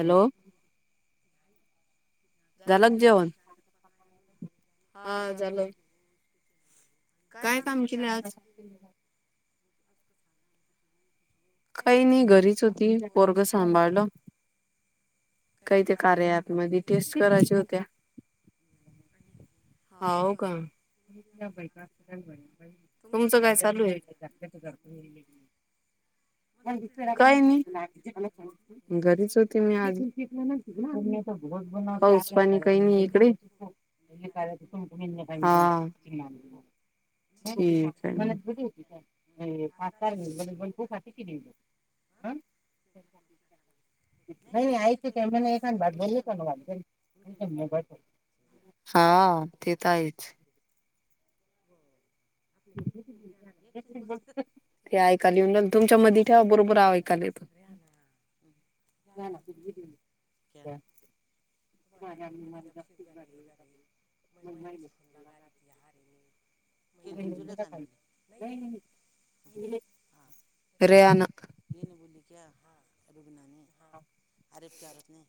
हो झालं का जेवण, हा झालं. काय काम केलं आज? काही नाही घरीच होती, पोरगं सांभाळलं. काही ते कार्या एप मध्ये टेस्ट करायच्या होत्या. हाव का? तुमचं काय चालू आहे.? काय नाही, घरीच होती मी आज. पाऊस पाणी काही नाही इकडे हां ठिक आहे. ं [inaudible] नाही नाही, आयच ते मला एकच भाग बोललीच हां, ते तर आहेच. हो, आपल्या बोल, गप चिप बस ते ऐकायला येऊ न तुमच्या मध्ये ठेवा बरोबर ऐकायला येत यय [unintelligible] मारे आम् मारे जापश गार गार म मैने खनला गारी दि हारेने कनबजुले खन, ब नाही नाही, हं. ये नाही बोली क्या, रुबनाने अरेब के औरतने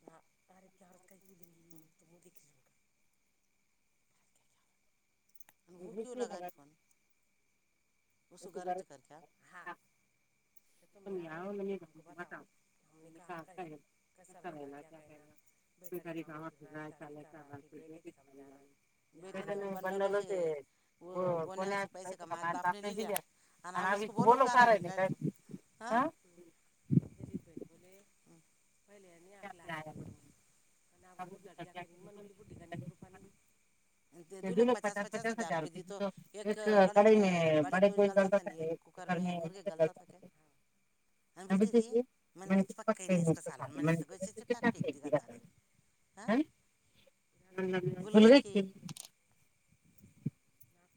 पारे प्याार कैही दिले ओ देख. आणि भुकिू लागा र पण उसगरज करख हा तुम्ही याव न मी आमको बताव. हमने का क कैसा राना क करना. बेटा रखा फिर रायता, ल कर राहा फि बेटे समजा. बेटेने बंडलोसे, व गोन्याे पैसे कमाया बापने ल्या आणि अब इसको बोलो कार हे काय तो ह रजित बैन बोले, पहिले आकला आहे, आणि आग बुद्ध इन ब बुद्ध का एक रूपया नही. ते दु लोक पचास पचास हजार रुपये देतो, एक कढाईे हे बडेे गोश गालतात नि एक कुकर मे मुर्गे गलता स आणि बोलते रे, मैने कुछ पक्का नाही ईसका सालन म त चट्टाट फेक द तार हा, भुल गयी के